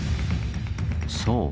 そう。